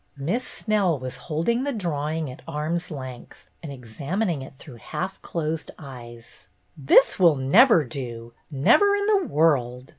Miss Snell was holding the drawing at arm's length, and examining it through half closed eyes. MISS SNELL 195 "This will never do, never in the world!